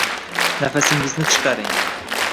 Nafasingizni chiqaring.